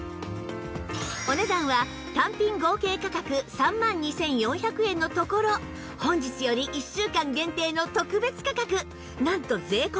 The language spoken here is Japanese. お値段は単品合計価格３万２４００円のところ本日より１週間限定の特別価格なんと税込